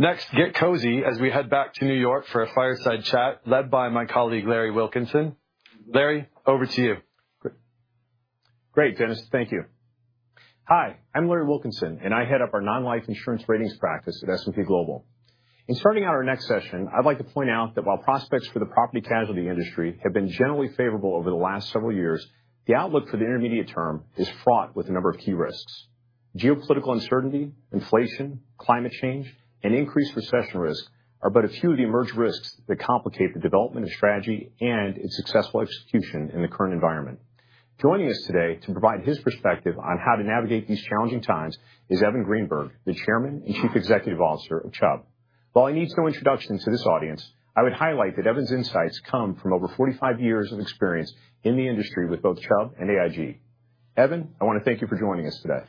Next, get cozy as we head back to New York for a fireside chat led by my colleague, Lawrence Wilkinson. Larry, over to you. Great, Dennis. Thank you. Hi, I'm Lawrence Wilkinson, I head up our non-life insurance ratings practice at S&P Global. In starting out our next session, I'd like to point out that while prospects for the property casualty industry have been generally favorable over the last several years, the outlook for the intermediate term is fraught with a number of key risks. Geopolitical uncertainty, inflation, climate change, and increased recession risk are but a few of the emerged risks that complicate the development of strategy and its successful execution in the current environment. Joining us today to provide his perspective on how to navigate these challenging times is Evan Greenberg, the Chairman and Chief Executive Officer of Chubb. While he needs no introduction to this audience, I would highlight that Evan's insights come from over 45 years of experience in the industry with both Chubb and AIG. Evan, I want to thank you for joining us today.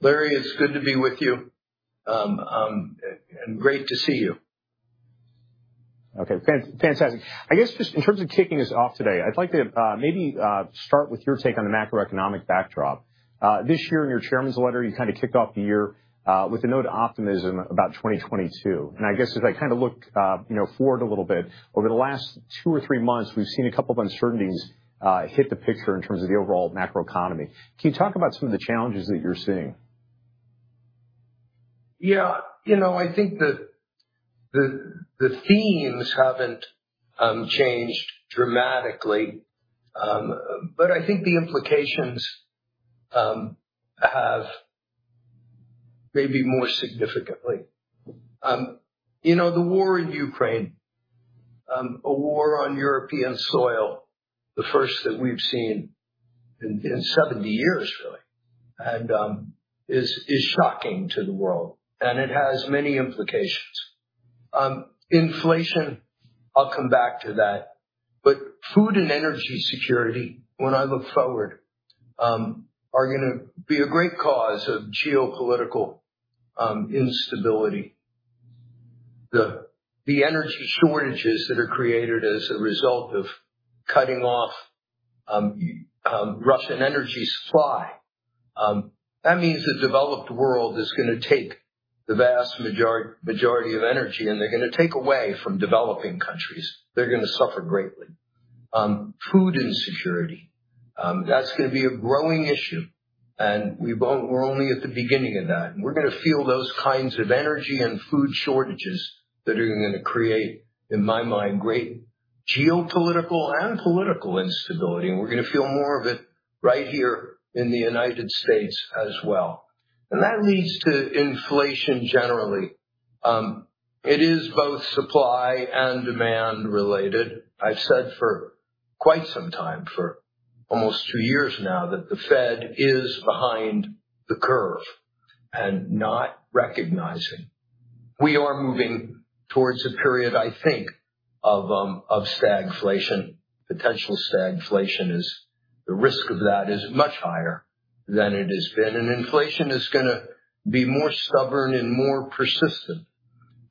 Larry, it's good to be with you. Great to see you. Okay. Fantastic. I guess just in terms of kicking us off today, I'd like to maybe start with your take on the macroeconomic backdrop. This year in your chairman's letter, you kind of kicked off the year with a note of optimism about 2022, and I guess as I kind of look forward a little bit, over the last two or three months, we've seen a couple of uncertainties hit the picture in terms of the overall macroeconomy. Can you talk about some of the challenges that you're seeing? Yeah. I think the themes haven't changed dramatically, but I think the implications have maybe more significantly. The war in Ukraine, a war on European soil, the first that we've seen in 70 years, really, and is shocking to the world, and it has many implications. Inflation, I'll come back to that, but food and energy security, when I look forward, are going to be a great cause of geopolitical instability. The energy shortages that are created as a result of cutting off Russian energy supply, that means the developed world is going to take the vast majority of energy, and they're going to take away from developing countries. They're going to suffer greatly. Food insecurity. That's going to be a growing issue, and we're only at the beginning of that, and we're going to feel those kinds of energy and food shortages that are going to create, in my mind, great geopolitical and political instability, and we're going to feel more of it right here in the U.S. as well. That leads to inflation generally. It is both supply and demand related. I've said for quite some time, for almost two years now, that the Fed is behind the curve and not recognizing. We are moving towards a period, I think, of stagflation. Potential stagflation is, the risk of that is much higher than it has been, and inflation is going to be more stubborn and more persistent.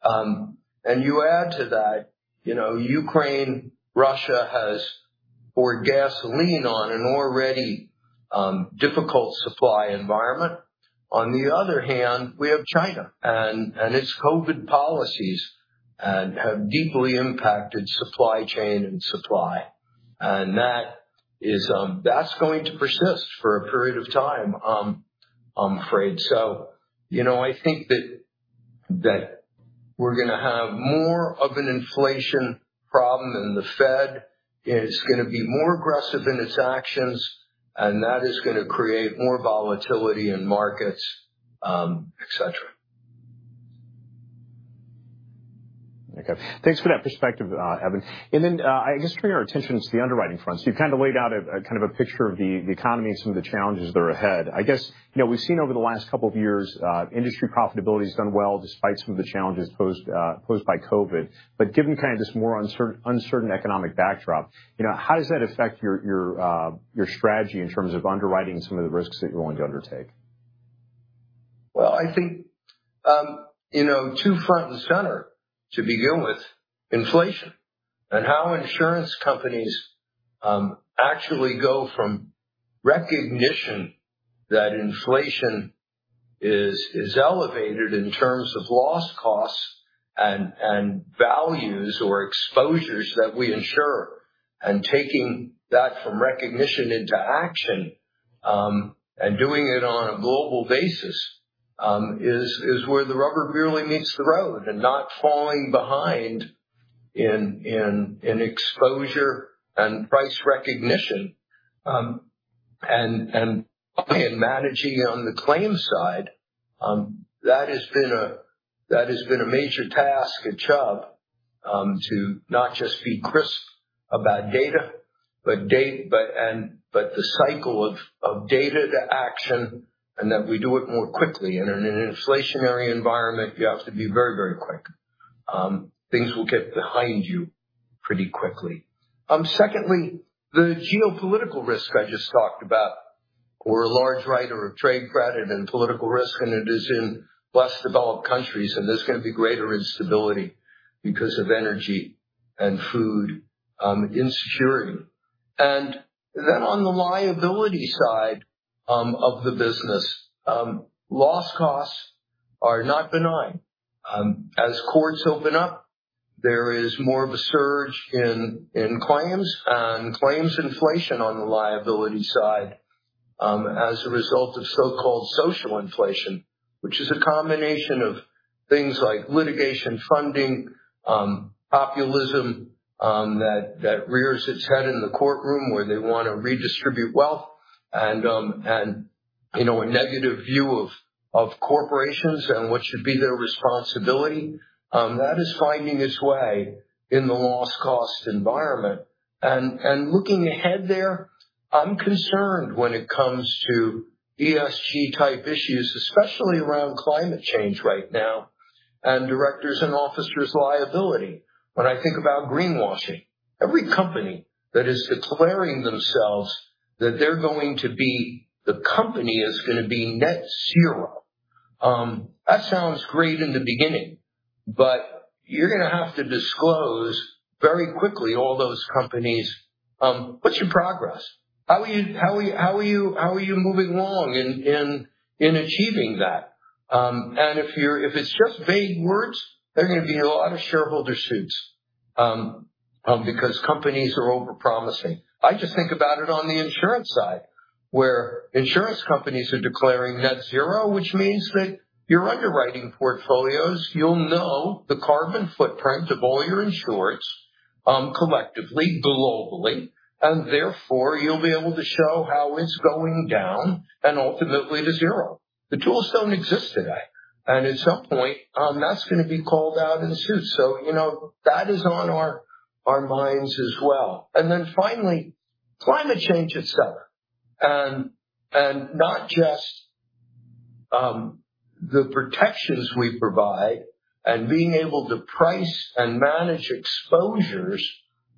You add to that, Ukraine, Russia has poured gasoline on an already difficult supply environment. On the other hand, we have China, and its COVID policies have deeply impacted supply chain and supply. That's going to persist for a period of time, I'm afraid so. I think that we're going to have more of an inflation problem, and the Fed is going to be more aggressive in its actions, and that is going to create more volatility in markets, et cetera. Okay. Thanks for that perspective, Evan. I guess turning our attention to the underwriting front. You've kind of laid out a picture of the economy and some of the challenges that are ahead. I guess, we've seen over the last couple of years, industry profitability's done well despite some of the challenges posed by COVID. Given kind of this more uncertain economic backdrop, how does that affect your strategy in terms of underwriting some of the risks that you're willing to undertake? Well, I think, two front and center to begin with, inflation and how insurance companies actually go from recognition that inflation is elevated in terms of loss costs and values or exposures that we insure, and taking that from recognition into action, and doing it on a global basis, is where the rubber really meets the road. Not falling behind in exposure and price recognition, and managing on the claims side, that has been a major task at Chubb, to not just be crisp about data, but the cycle of data to action and that we do it more quickly. In an inflationary environment, you have to be very, very quick. Things will get behind you pretty quickly. Secondly, the geopolitical risk I just talked about. We're a large writer of trade credit and political risk, and it is in less developed countries, and there's going to be greater instability because of energy and food insecurity. Then on the liability side of the business, loss costs are not benign. As courts open up, there is more of a surge in claims and claims inflation on the liability side, as a result of so-called social inflation. Which is a combination of things like litigation funding, populism, that rears its head in the courtroom where they want to redistribute wealth and a negative view of corporations and what should be their responsibility. That is finding its way in the loss cost environment. Looking ahead there, I'm concerned when it comes to ESG type issues, especially around climate change right now and directors and officers' liability. When I think about greenwashing, every company that is declaring themselves that the company is going to be net zero, that sounds great in the beginning, but you're going to have to disclose very quickly, all those companies, what's your progress? How are you moving along in achieving that? If it's just vague words, there are going to be a lot of shareholder suits, because companies are overpromising. I just think about it on the insurance side, where insurance companies are declaring net zero, which means that your underwriting portfolios, you'll know the carbon footprint of all your insureds, collectively, globally, and therefore, you'll be able to show how it's going down and ultimately to zero. The tools don't exist today, and at some point, that's going to be called out in suits. That is on our minds as well. Finally, climate change itself. Not just the protections we provide and being able to price and manage exposures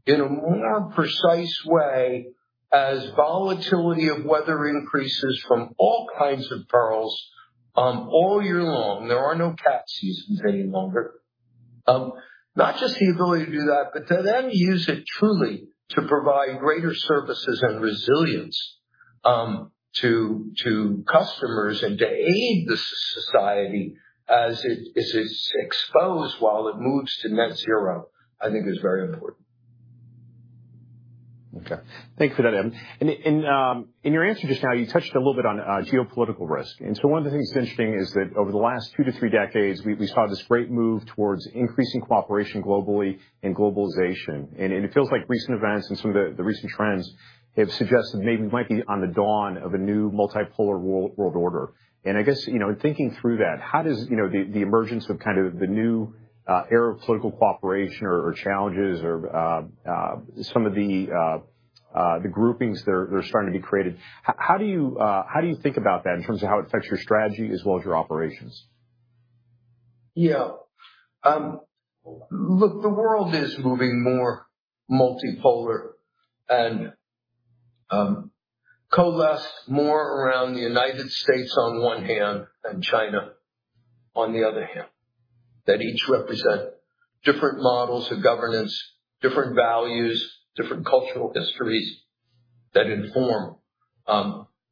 in a more precise way as volatility of weather increases from all kinds of perils, all year long. There are no cat seasons any longer. Not just the ability to do that, but to then use it truly to provide greater services and resilience to customers and to aid the society as it's exposed while it moves to net zero, I think is very important. Okay. Thanks for that, Evan. In your answer just now, you touched a little bit on geopolitical risk. So one of the things that's interesting is that over the last two to three decades, we saw this great move towards increasing cooperation globally and globalization. It feels like recent events and some of the recent trends have suggested maybe we might be on the dawn of a new multipolar world order. I guess, in thinking through that, how does the emergence of kind of the new era of political cooperation or challenges or some of the groupings that are starting to be created, how do you think about that in terms of how it affects your strategy as well as your operations? Yeah. Look, the world is moving more multipolar and coalesced more around the United States on one hand, and China on the other hand. That each represent different models of governance, different values, different cultural histories that inform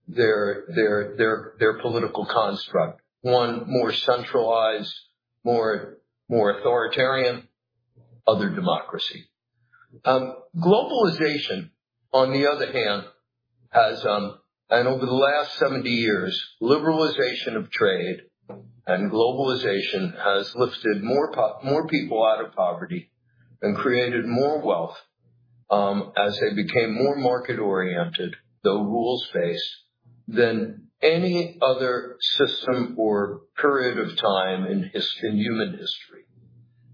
their political construct. One more centralized, more authoritarian, other democracy. Globalization, on the other hand, over the last 70 years, liberalization of trade and globalization has lifted more people out of poverty and created more wealth, as they became more market-oriented, though rules-based, than any other system or period of time in human history.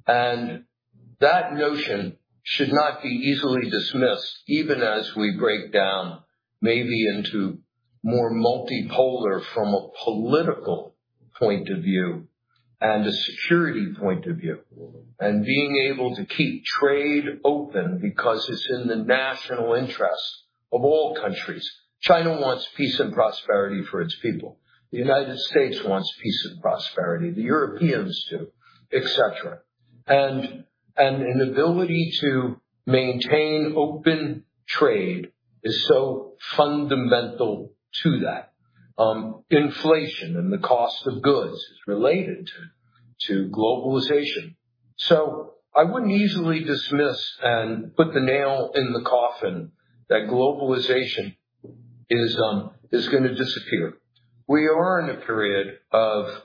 That notion should not be easily dismissed, even as we break down maybe into more multipolar from a political point of view and a security point of view. Being able to keep trade open because it's in the national interest of all countries. China wants peace and prosperity for its people. The United States wants peace and prosperity, the Europeans too, et cetera. An ability to maintain open trade is so fundamental to that. Inflation and the cost of goods is related to globalization. I wouldn't easily dismiss and put the nail in the coffin that globalization is going to disappear. We are in a period of,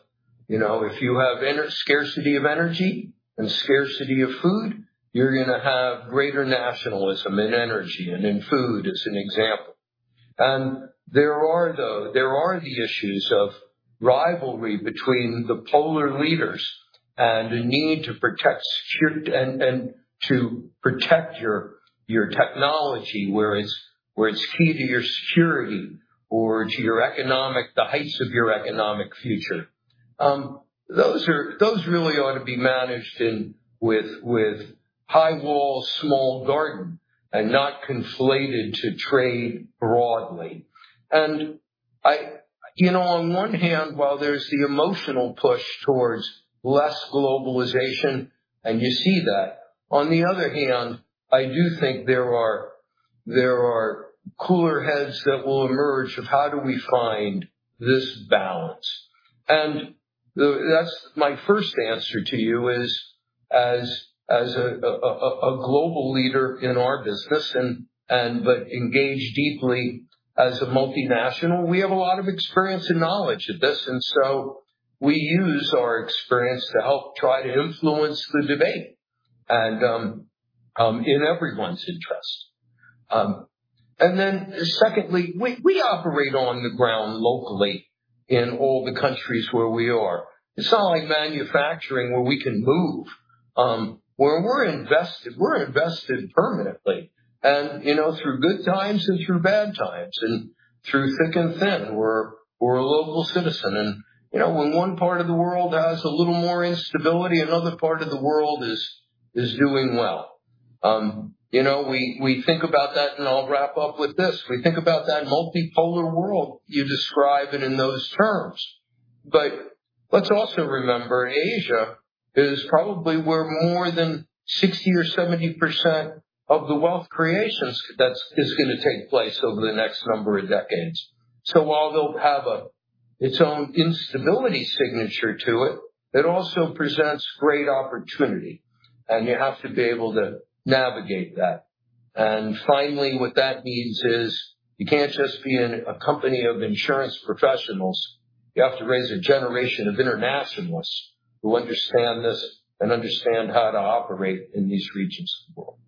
if you have scarcity of energy and scarcity of food, you're going to have greater nationalism in energy and in food, as an example. There are the issues of rivalry between the polar leaders and a need to protect your technology, where it's key to your security or to the heights of your economic future. Those really ought to be managed with high wall, small garden and not conflated to trade broadly. On one hand, while there's the emotional push towards less globalization, and you see that. On the other hand, I do think there are cooler heads that will emerge of how do we find this balance. That's my first answer to you is, as a global leader in our business, but engaged deeply as a multinational, we have a lot of experience and knowledge of this. We use our experience to help try to influence the debate and in everyone's interest. Secondly, we operate on the ground locally in all the countries where we are. It's not like manufacturing where we can move. Where we're invested, we're invested permanently and through good times and through bad times and through thick and thin, we're a local citizen. When one part of the world has a little more instability, another part of the world is doing well. We think about that, and I'll wrap up with this. We think about that multipolar world you describe and in those terms. Let's also remember, Asia is probably where more than 60% or 70% of the wealth creation that's going to take place over the next number of decades. While they'll have its own instability signature to it also presents great opportunity, and you have to be able to navigate that. Finally, what that means is you can't just be in a company of insurance professionals. You have to raise a generation of internationalists who understand this and understand how to operate in these regions of the world.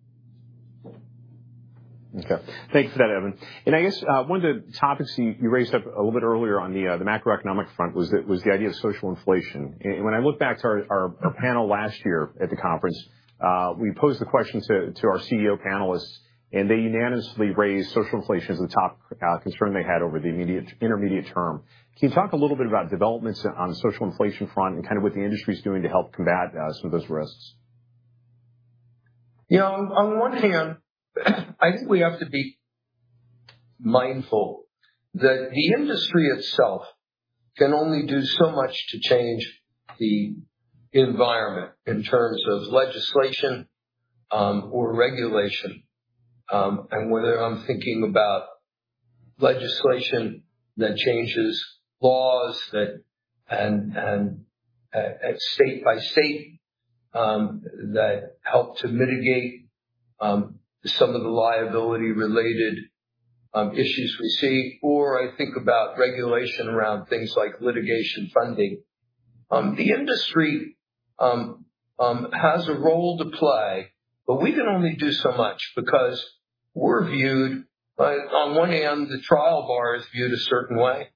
Okay. Thank you for that, Evan. I guess, one of the topics you raised up a little bit earlier on the macroeconomic front was the idea of social inflation. When I look back to our panel last year at the conference, we posed the question to our CEO panelists, and they unanimously raised social inflation as the top concern they had over the intermediate term. Can you talk a little bit about developments on social inflation front and kind of what the industry is doing to help combat some of those risks? On one hand, I think we have to be mindful that the industry itself can only do so much to change the environment in terms of legislation or regulation. Whether I'm thinking about legislation that changes laws and at state by state, that help to mitigate some of the liability-related issues we see, or I think about regulation around things like litigation funding. The industry has a role to play, we can only do so much because we're viewed by, on one hand, the trial bar is viewed a certain way,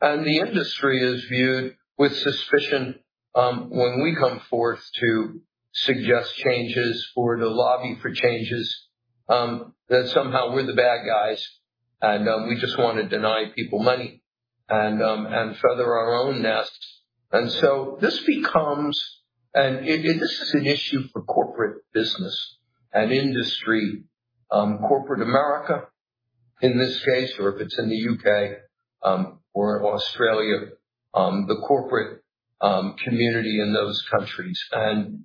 the industry is viewed with suspicion when we come forth to suggest changes or to lobby for changes, that somehow we're the bad guys, we just want to deny people money and feather our own nests. This is an issue for corporate business and industry, corporate America in this case, or if it's in the U.K., or Australia, the corporate community in those countries.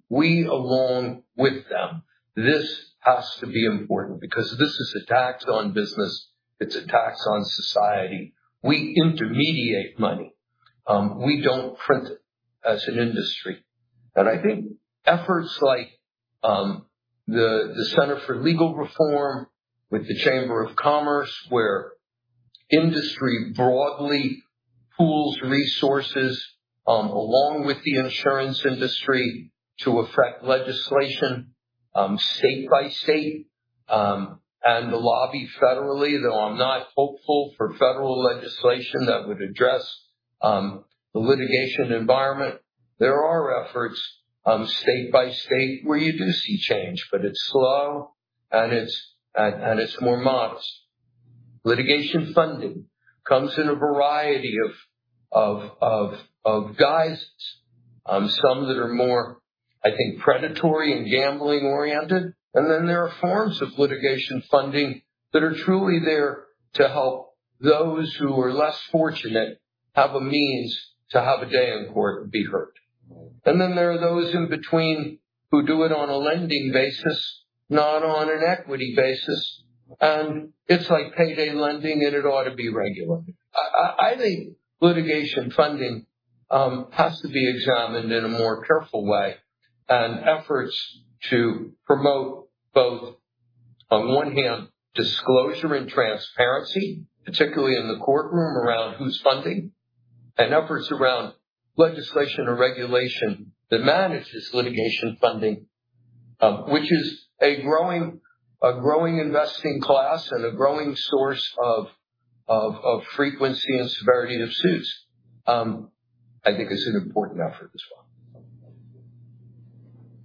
We along with them, this has to be important because this is a tax on business. It's a tax on society. We intermediate money. We don't print it as an industry. I think efforts like the Institute for Legal Reform with the U.S. Chamber of Commerce, where industry broadly pools resources along with the insurance industry to affect legislation state by state, and to lobby federally, though I'm not hopeful for federal legislation that would address the litigation environment. There are efforts state by state where you do see change, but it's slow and it's more modest. Litigation funding comes in a variety of guises. Some that are more, I think, predatory and gambling-oriented. There are forms of litigation funding that are truly there to help those who are less fortunate have a means to have a day in court and be heard. There are those in between who do it on a lending basis, not on an equity basis. It's like payday lending, and it ought to be regulated. I think litigation funding has to be examined in a more careful way, and efforts to promote both, on one hand, disclosure and transparency, particularly in the courtroom around who's funding, and efforts around legislation or regulation that manages litigation funding, which is a growing investing class and a growing source of frequency and severity of suits. I think it's an important effort as well.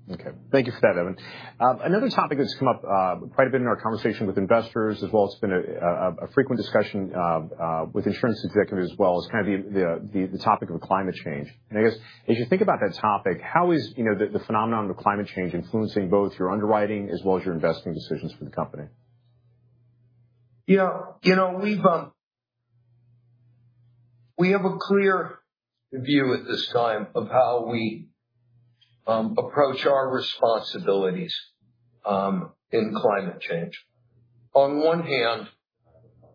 Okay. Thank you for that, Evan. Another topic that's come up quite a bit in our conversation with investors, as well as been a frequent discussion with insurance executives as well, is the topic of climate change. I guess as you think about that topic, how is the phenomenon of climate change influencing both your underwriting as well as your investing decisions for the company? We have a clear view at this time of how we approach our responsibilities in climate change. On one hand,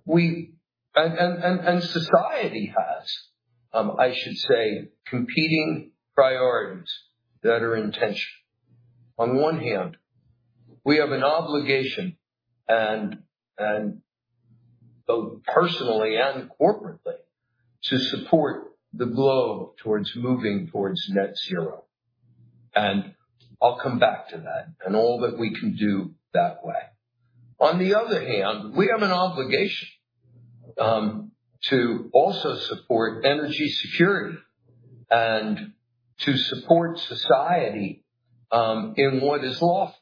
we and society has, I should say, competing priorities that are intentional. On one hand, we have an obligation and both personally and corporately to support the globe towards moving towards net zero. I'll come back to that and all that we can do that way. On the other hand, we have an obligation to also support energy security and to support society in what is lawful.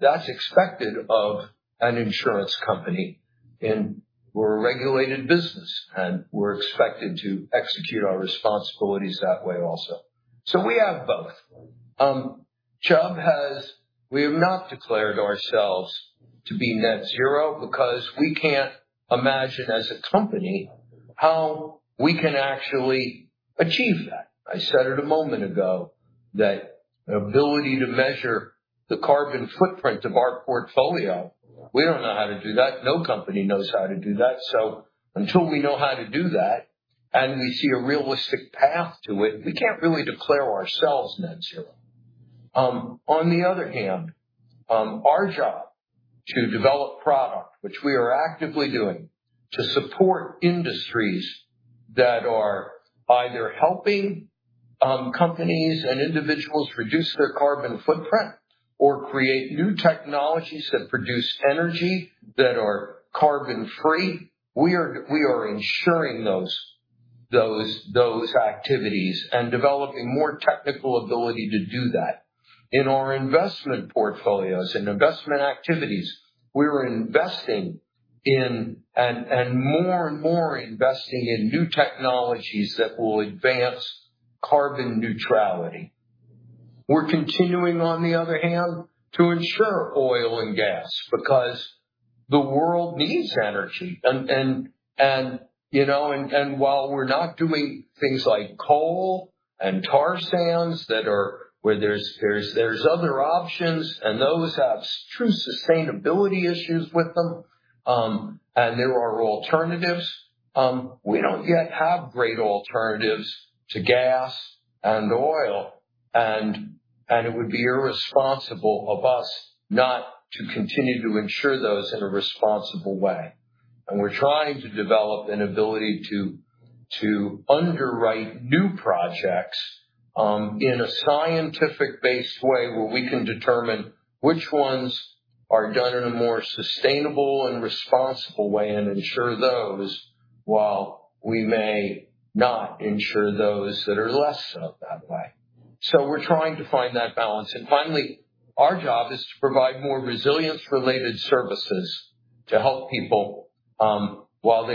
That's expected of an insurance company, and we're a regulated business, and we're expected to execute our responsibilities that way also. We have both. Chubb has not declared ourselves to be net zero because we can't imagine as a company how we can actually achieve that. I said it a moment ago that ability to measure the carbon footprint of our portfolio, we don't know how to do that. No company knows how to do that. Until we know how to do that and we see a realistic path to it, we can't really declare ourselves net zero. On the other hand, our job to develop product, which we are actively doing to support industries that are either helping companies and individuals reduce their carbon footprint or create new technologies that produce energy that are carbon-free. We are ensuring those activities and developing more technical ability to do that. In our investment portfolios and investment activities, we are investing in and more and more investing in new technologies that will advance carbon neutrality. We're continuing, on the other hand, to insure oil and gas because the world needs energy. While we're not doing things like coal and tar sands that are where there's other options and those have true sustainability issues with them, and there are alternatives, we don't yet have great alternatives to gas and oil, and it would be irresponsible of us not to continue to insure those in a responsible way. We're trying to develop an ability to underwrite new projects in a scientific-based way where we can determine which ones are done in a more sustainable and responsible way and insure those while we may not insure those that are less so that way. We're trying to find that balance. Finally, our job is to provide more resilience-related services to help people while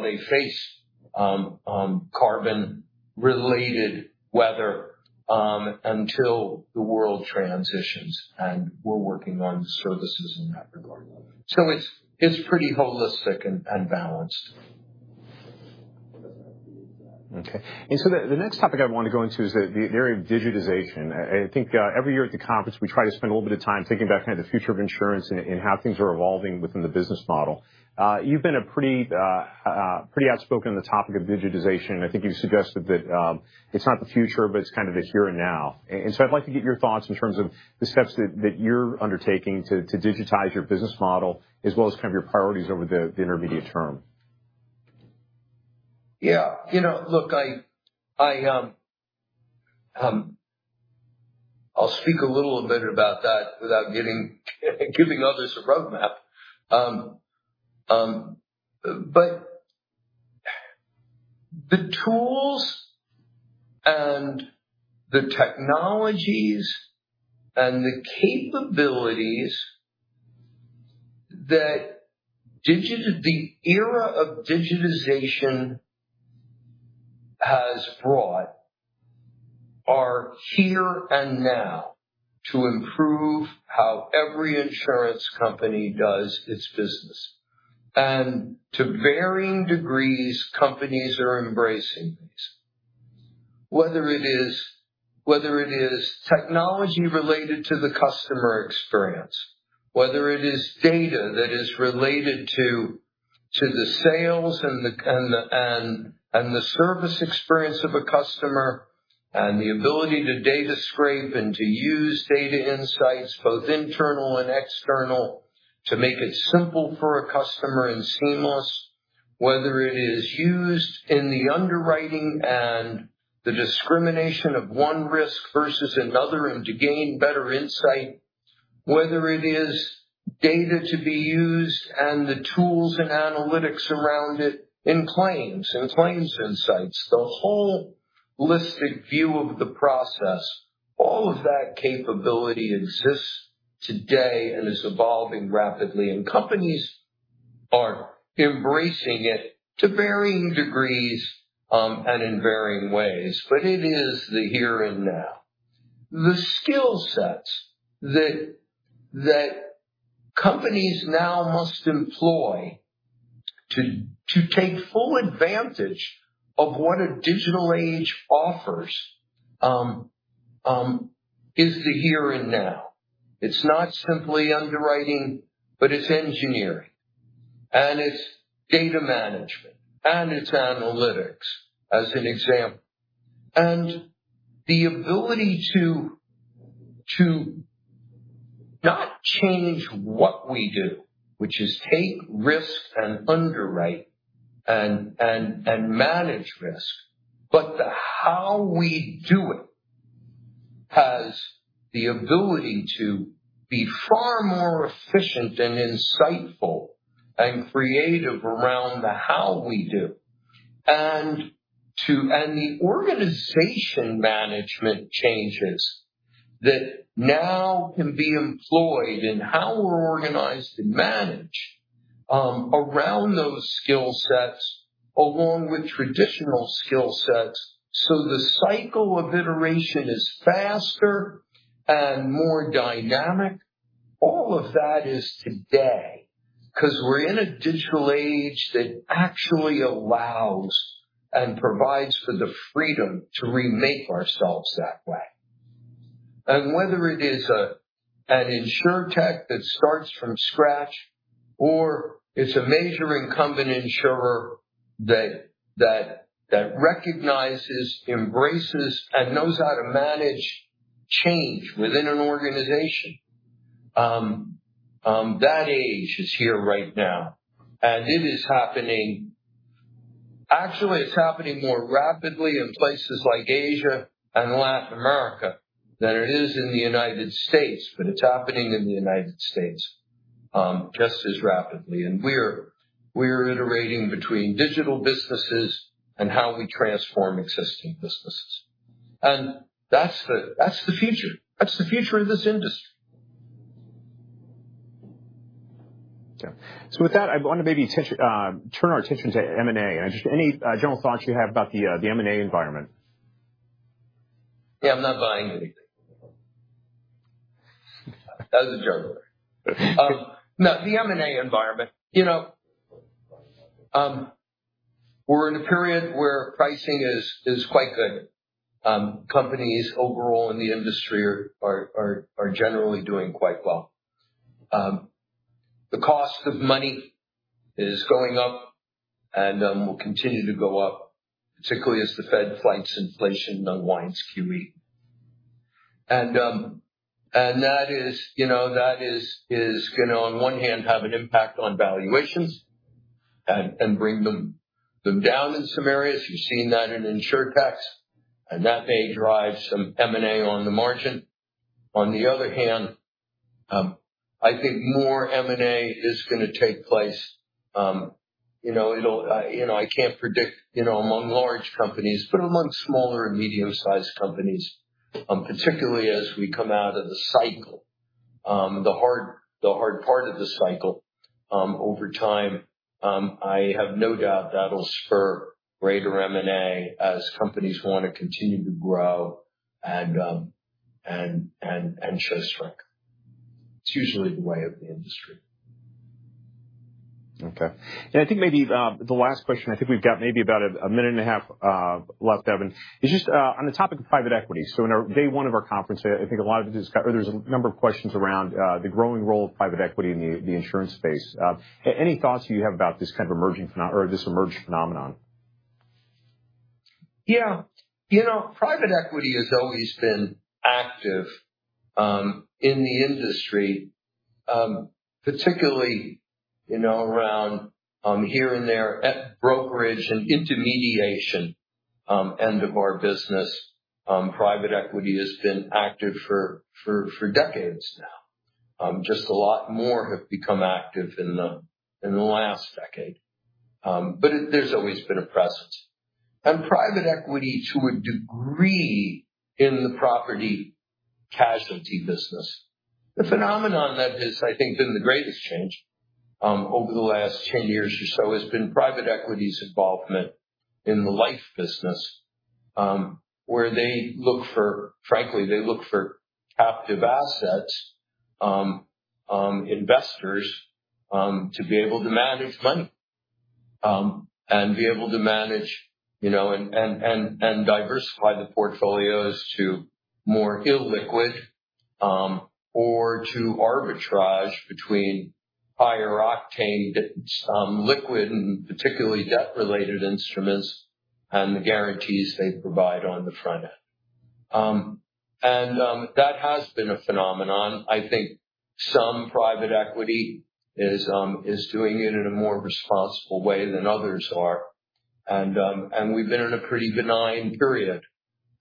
they face carbon-related weather until the world transitions, and we're working on services in that regard. It's pretty holistic and balanced. Okay. The next topic I want to go into is the area of digitization. I think every year at the conference, we try to spend a little bit of time thinking about kind of the future of insurance and how things are evolving within the business model. You've been pretty outspoken on the topic of digitization, and I think you suggested that it's not the future, but it's kind of the here and now. I'd like to get your thoughts in terms of the steps that you're undertaking to digitize your business model as well as kind of your priorities over the intermediate term. Yeah. Look, I'll speak a little bit about that without giving others a roadmap. The tools and the technologies and the capabilities that the era of digitization has brought are here and now to improve how every insurance company does its business. To varying degrees, companies are embracing these. Whether it is technology related to the customer experience, whether it is data that is related to the sales and the service experience of a customer, and the ability to data-scrape and to use data insights, both internal and external, to make it simple for a customer and seamless. Whether it is used in the underwriting and the discrimination of one risk versus another and to gain better insight. Whether it is data to be used and the tools and analytics around it in claims, in claims insights, the holistic view of the process. All of that capability exists today and is evolving rapidly. Companies are embracing it to varying degrees and in varying ways. It is the here and now. The skill sets that companies now must employ to take full advantage of what a digital age offers is the here and now. It's not simply underwriting, but it's engineering, and it's data management, and it's analytics, as an example. The ability to not change what we do, which is take risks and underwrite and manage risk, but the how we do it has the ability to be far more efficient and insightful and creative around the how we do. The organization management changes that now can be employed in how we're organized and manage around those skill sets, along with traditional skill sets, so the cycle of iteration is faster and more dynamic. All of that is today, because we're in a digital age that actually allows and provides for the freedom to remake ourselves that way. Whether it is an insurtech that starts from scratch or it's a major incumbent insurer that recognizes, embraces, and knows how to manage change within an organization, that age is here right now. Actually, it's happening more rapidly in places like Asia and Latin America than it is in the U.S., but it's happening in the U.S. just as rapidly. We're iterating between digital businesses and how we transform existing businesses. That's the future. That's the future of this industry. Okay. With that, I want to maybe turn our attention to M&A and just any general thoughts you have about the M&A environment. Yeah, I'm not buying anything. That was a joke. The M&A environment. We're in a period where pricing is quite good. Companies overall in the industry are generally doing quite well. The cost of money is going up and will continue to go up, particularly as the Fed fights inflation, unwinds QE. That is going to, on one hand, have an impact on valuations and bring them down in some areas. You've seen that in insurtechs. That may drive some M&A on the margin. On the other hand, I think more M&A is going to take place. I can't predict among large companies, but among smaller and medium-sized companies, particularly as we come out of the cycle, the hard part of the cycle, over time, I have no doubt that'll spur greater M&A as companies want to continue to grow and show strength. It's usually the way of the industry. Okay. I think maybe the last question, I think we've got maybe about a minute and a half left, Evan, is just on the topic of private equity. In our day one of our conference, there's a number of questions around the growing role of private equity in the insurance space. Any thoughts you have about this emerged phenomenon? Yeah. Private equity has always been active in the industry, particularly around here and there at brokerage and intermediation end of our business. Private equity has been active for decades now. Just a lot more have become active in the last 10 years. There's always been a presence. Private equity, to a degree, in the property casualty business. The phenomenon that has, I think, been the greatest change over the last 10 years or so has been private equity's involvement in the life business, where they look for, frankly, captive assets, investors, to be able to manage money, and be able to manage and diversify the portfolios to more illiquid, or to arbitrage between higher octane liquid and particularly debt-related instruments and the guarantees they provide on the front end. That has been a phenomenon. I think some private equity is doing it in a more responsible way than others are. We've been in a pretty benign period,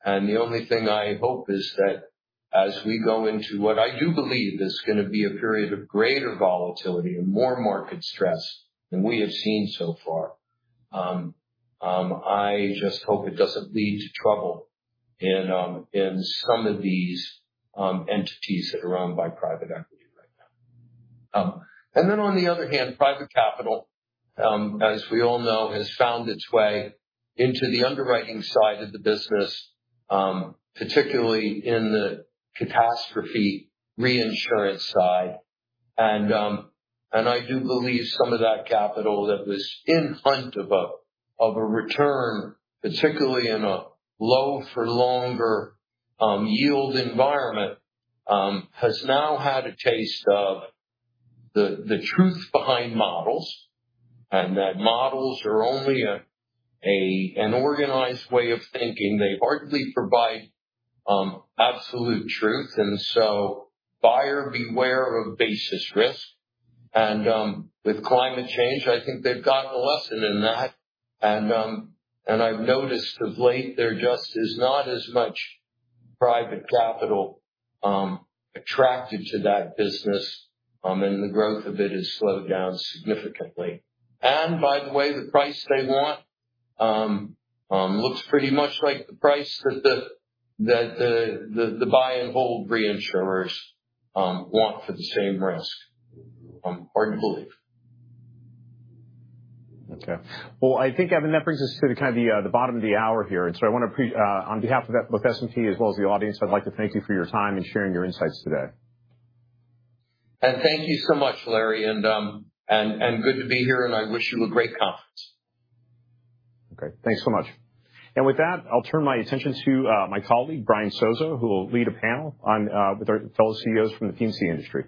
the only thing I hope is that as we go into what I do believe is going to be a period of greater volatility and more market stress than we have seen so far, I just hope it doesn't lead to trouble in some of these entities that are run by private equity right now. On the other hand, private capital, as we all know, has found its way into the underwriting side of the business, particularly in the catastrophe reinsurance side. I do believe some of that capital that was in hunt of a return, particularly in a low for longer yield environment, has now had a taste of the truth behind models, that models are only an organized way of thinking. They hardly provide absolute truth, buyer beware of basis risk. With climate change, I think they've gotten a lesson in that. I've noticed of late there just is not as much private capital attracted to that business, the growth of it has slowed down significantly. By the way, the price they want looks pretty much like the price that the buy and hold reinsurers want for the same risk. Hard to believe. I think, Evan, that brings us to the bottom of the hour here, on behalf of S&P, as well as the audience, I'd like to thank you for your time and sharing your insights today. Thank you so much, Larry, good to be here, I wish you a great conference. Thanks so much. With that, I'll turn my attention to my colleague, Brian Sozzi, who will lead a panel with our fellow CEOs from the P&C industry.